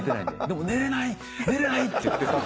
でも「寝れない！」って言ってた。